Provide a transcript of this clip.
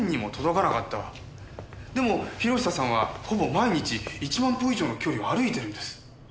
でも博久さんはほぼ毎日１万歩以上の距離を歩いてるんです。